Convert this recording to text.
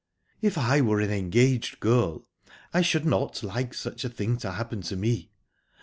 "If I were an engaged girl, I should not like such a thing to happen to me.